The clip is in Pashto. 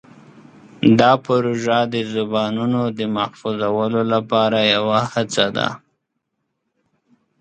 دا پروژه د زبانونو د محفوظولو لپاره یوه هڅه ده.